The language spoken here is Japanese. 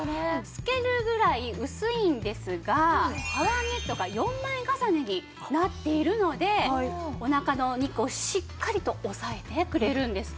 透けるぐらい薄いんですがパワーネットが４枚重ねになっているのでおなかのお肉をしっかりと押さえてくれるんです。